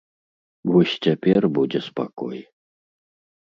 Вось цяпер будзе спакой.